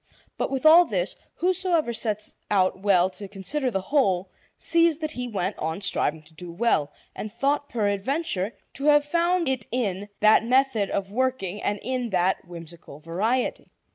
But with all this, whosoever sets out well to consider the whole sees that he went on striving to do well, and thought peradventure to have found it in that method of working and in that whimsical variety.